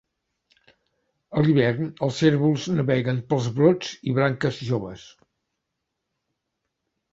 A l'hivern, els cérvols naveguen pels brots i branques joves.